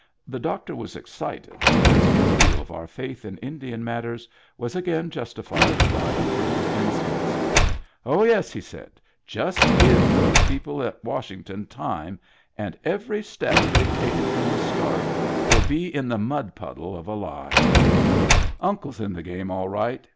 The doctor was excited be cause his view of our faith in Indian matters was again justified by a further instance. " Oh, yes ! he said. " Just give those people at Washington time, and every step they've taken from the start will be in the mud puddle of a lie. Digitized by Google 46 MEMBERS OF THE FAMILY Uncle's in the game all right.